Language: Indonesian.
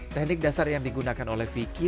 teknik dasar yang digunakan oleh vicky